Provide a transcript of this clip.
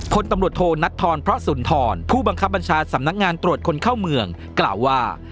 พลตำรวจโทนัทธรพระสุนทรผู้บังคับบัญชาสำนักงานตรวจคนเข้าเมืองกล่าวว่า